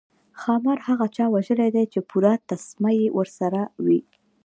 ښامار هغه چا وژلی چې پوره تسمه یې ورسره وي.